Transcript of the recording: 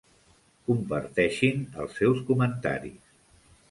Comparteixin els seus comentaris.